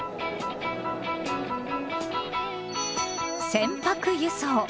「船舶輸送」。